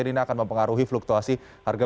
ini akan mempengaruhi fluktuasi harga